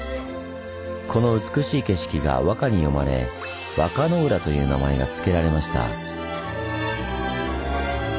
この美しい景色が和歌に詠まれ「和歌の浦」という名前が付けられました。